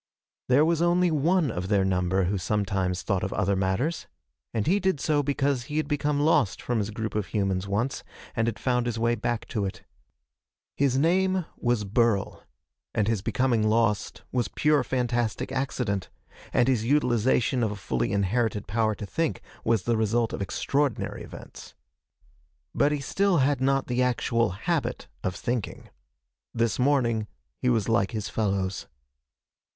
There was only one of their number who sometimes thought of other matters, and he did so because he had become lost from his group of humans once, and had found his way back to it. His name was Burl, and his becoming lost was pure fantastic accident, and his utilization of a fully inherited power to think was the result of extraordinary events. But he still had not the actual habit of thinking. This morning he was like his fellows.